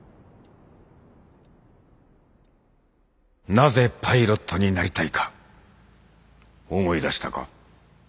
なぜパイロットになりたいか思い出したか？